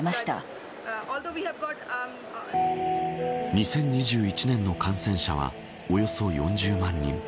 ２０２１年の感染者はおよそ４０万人。